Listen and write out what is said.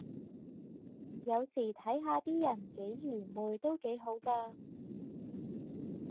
有時睇下啲人幾愚昧都幾好咖